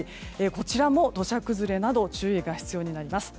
こちらも土砂崩れなど注意が必要です。